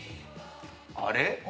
あれ？